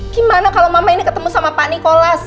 gimana kalau mama ini ketemu sama pak nikolas